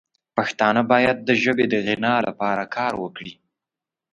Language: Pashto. پښتانه باید د ژبې د غنا لپاره کار وکړي.